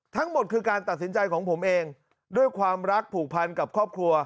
ทั้งหมดคือการตัดสินใจของผมเองด้วยความรักผูกพันกับครอบครัว